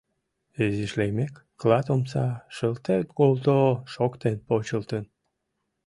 Изиш лиймек, клат омса шылте-голто шоктен почылтын.